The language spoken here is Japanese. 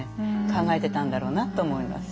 考えてたんだろうなと思います。